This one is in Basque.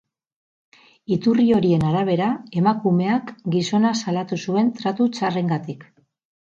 Iturri horien arabera, emakumeak gizona salatu zuen tratu txarrengatik.